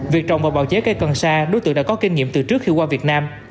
việc trồng và bào chế cây cần sa đối tượng đã có kinh nghiệm từ trước khi qua việt nam